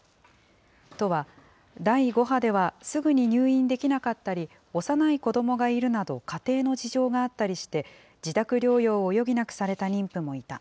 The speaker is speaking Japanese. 都は、第５波ではすぐに入院できなかったり、幼い子どもがいるなど、家庭の事情があったりして、自宅療養を余儀なくされた妊婦もいた。